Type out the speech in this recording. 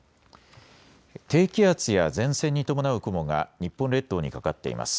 低気圧や前線に伴う雲が日本列島にかかっています。